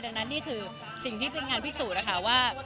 ดังนั้นนี่คือสิ่งที่เป็นงานพิสูจน์นะคะว่า